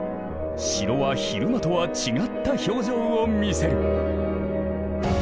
城は昼間とは違った表情を見せる。